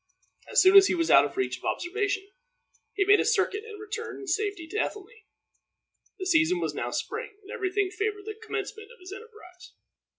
As soon as he was out of the reach of observation, he made a circuit and returned in safety to Ethelney. The season was now spring, and every thing favored the commencement of his enterprise.